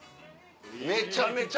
めちゃめちゃ